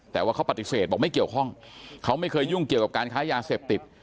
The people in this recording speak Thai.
แต่ว่าเขาปฏิเสธบอกไม่เกี่ยวข้องเขาไม่เคยยุ่งเกี่ยวกับการค้ายาเสพติด